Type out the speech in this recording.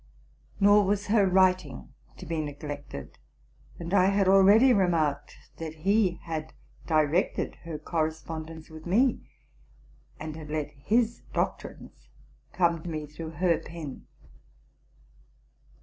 Nor was her writing to be neglected; and I had already remarked that he had directed her corr espondence with me, and had let his doctrines come to me through her pen.